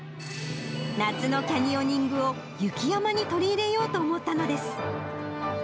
夏のキャニオニングを雪山に取り入れようと思ったのです。